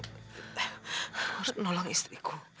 harus menolong istriku